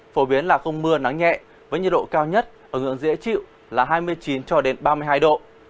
phổ biến là không mưa nắng nhẹ với nhiệt độ cao nhất ở ngưỡng dễ chịu là hai mươi chín cho đến ba mươi hai độ